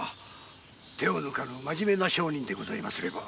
手を抜かぬ真面目な商人でございますれば。